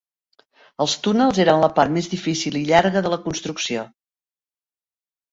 Els túnels eren la part més difícil i llarga de la construcció.